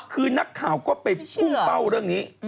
คือนักข่าวก็ไปพุ่งเป้าเรื่องนี้